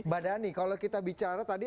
mbak dhani kalau kita bicara tadi